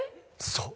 そう。